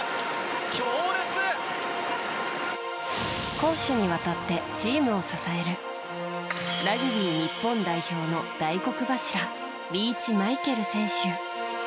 攻守にわたってチームを支えるラグビー日本代表の大黒柱リーチマイケル選手。